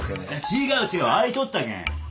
違う違う開いちょったけん。